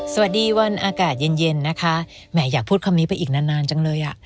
สวัสดีวันอากาศเย็นเย็นนะคะแหมอยากพูดคำนี้ไปอีกนานนานจังเลยอ่ะ